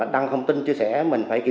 đăng tải sai sự thật